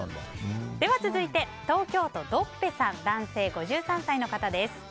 続いて東京都の男性、５３歳の方です。